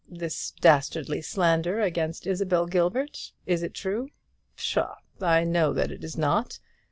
"This dastardly slander against Isabel Gilbert. Is it true? Pshaw! I know that it is not.